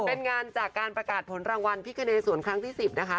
เป็นงานจากการประกาศผลรางวัลพิคเนสวนครั้งที่๑๐นะคะ